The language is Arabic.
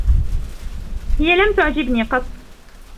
هي لم تعجبني قطّ.